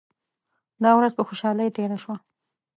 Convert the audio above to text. دا ورځ په خوشالۍ تیره شوه.